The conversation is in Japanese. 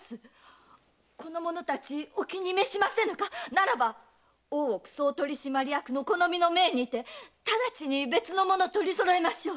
⁉ならば大奥総取締役のこの身の命にて別の者を取り揃えましょう。